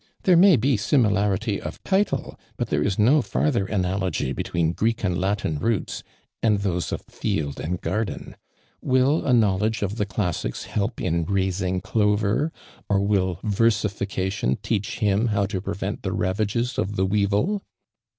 "There may be similarity of title, but there is no farther analogy between Greek and Latin roots, and those of field and garden. Will a knowledge of the classics help i'l raising clover; or will versification teaeji him how to prevent the ravages of the weevil?"